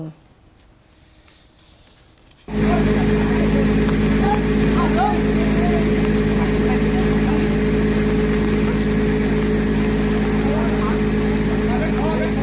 นี่คือภาพวินาทีที่เจ้าหน้าที่นำร่างของผู้เสียชีวิตขึ้นมาจากบ่อบาดานค่ะ